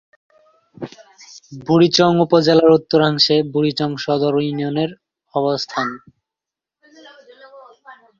বুড়িচং উপজেলার উত্তরাংশে বুড়িচং সদর ইউনিয়নের অবস্থান।